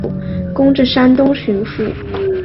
官至山东巡抚。